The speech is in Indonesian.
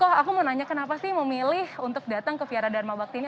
oh aku mau nanya kenapa sih memilih untuk datang ke viara dharma bakti ini